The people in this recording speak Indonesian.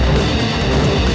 lo sudah bisa berhenti